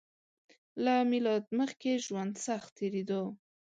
له میلاد مخکې ژوند سخت تېریدو